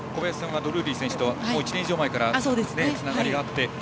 ドルーリー選手と１年以上前からつながりがあって。